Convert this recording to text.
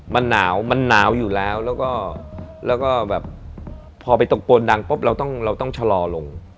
มันหนาวมันหนาวอยู่แล้วแล้วก็แล้วก็แบบพอไปตกปวดดังเราต้องฉลอลง